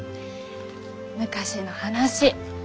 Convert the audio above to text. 昔の話。